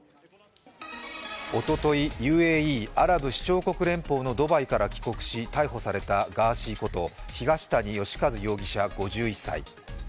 おととい、ＵＡＥ＝アラブ首長国連邦のドバイから帰国し逮捕されたガーシーこと東谷義和容疑者５１歳。